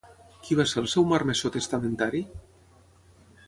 Qui va ser el seu marmessor testamentari?